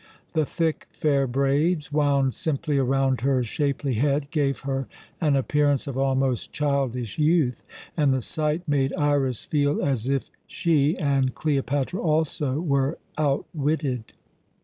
The thick, fair braids, wound simply around her shapely head, gave her an appearance of almost childish youth, and the sight made Iras feel as if she, and Cleopatra also, were outwitted.